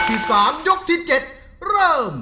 ที่๓ยกที่๗เริ่ม